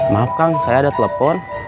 maaf kang saya ada telepon